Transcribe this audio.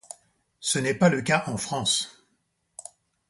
Ce n'est pas le cas en France.